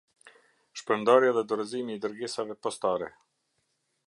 Shpërndarja dhe dorëzimi i dërgesave postare.